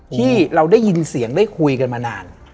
ที่เราได้ยินเสียงได้คุยกันมานาน